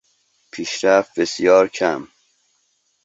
پیشرفت بسیار کم